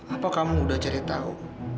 apa kamu udah cari tahu